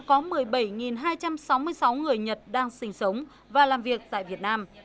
có một mươi bảy hai trăm sáu mươi sáu người nhật đang sinh sống và làm việc tại việt nam